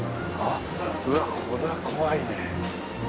うわっこれは怖いね。